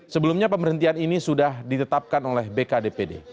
sebelumnya pemberhentian ini sudah ditetapkan oleh bk dpd